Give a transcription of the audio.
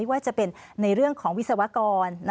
ว่าจะเป็นในเรื่องของวิศวกร